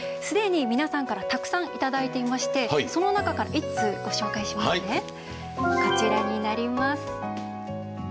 すでに皆さんからたくさんいただいておりましてその中から一通、ご紹介しますね。